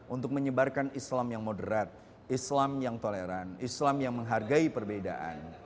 untuk menyebarkan islam yang moderat islam yang toleran islam yang menghargai perbedaan